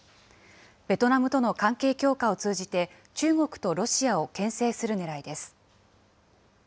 ベトナムとの関係強化を通じて、中国とロシアをけん制するねらいです。